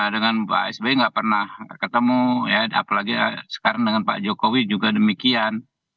dengan pak sby nggak pernah ketemu ya apalagi sekarang dengan pak jokowi juga demikian